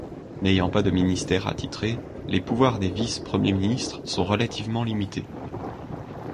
N'ayant pas de ministère attitré, les pouvoirs des vices-premiers ministres sont relativement limités.